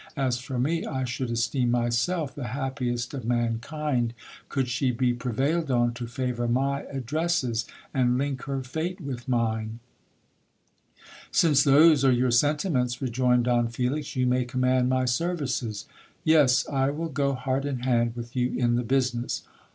As for me, I should esteem myself the happiest of mankind, could she be pre vailed on to favour my addresses, and link her fate with mine. Since those are your sentiments, rejoined Don Felix, you may command my services. Yes, I will go heart and hand with you in the business.